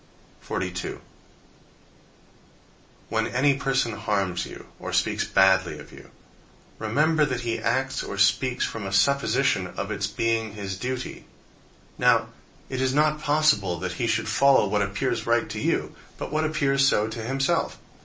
42. When any person harms you, or speaks badly of you, remember that he acts or speaks from a supposition of its being his duty. Now, it is not possible that he should follow what appears right to you, but what appears so to himself.